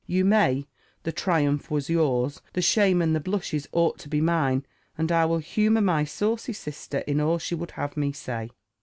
You may The triumph was yours the shame and the blushes ought to be mine And I will humour my saucy sister in all she would have me say."